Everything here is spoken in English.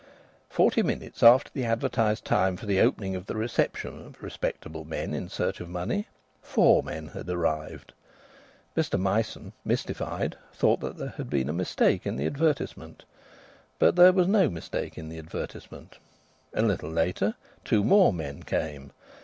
Forty minutes after the advertised time for the opening of the reception of respectable men in search of money, four men had arrived. Mr Myson, mystified, thought that there had been a mistake in the advertisement, but there was no mistake in the advertisement. A little later two more men came.